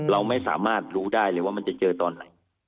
เราไม่สามารถรู้ได้เลยว่ามันจะเจอตอนไหน